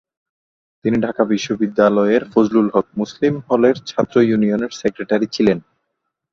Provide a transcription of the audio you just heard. তিনি ঢাকা বিশ্ববিদ্যালিয়ের ফজলুল হক মুসলিম হলের ছাত্র ইউনিয়নের সেক্রেটারি ছিলেন।